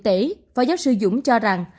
bộ y tế và giáo sư dũng cho rằng